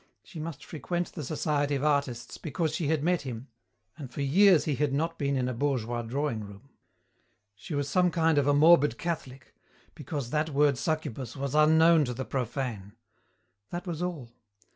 She must frequent the society of artists, because she had met him, and for years he had not been in a bourgeois drawing room. She was some kind of a morbid Catholic, because that word succubus was unknown to the profane. That was all.